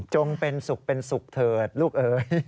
งเป็นสุขเป็นสุขเถิดลูกเอ๋ย